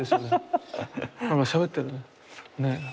何かしゃべってるね。